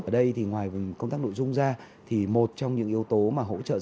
ở đây thì ngoài công tác nội dung ra thì một trong những yếu tố mà hỗ trợ rất là nhiều